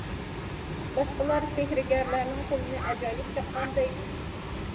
باشقىلار سېھىرگەرلەرنىڭ قولىنى ئاجايىپ چاققان، دەيدۇ.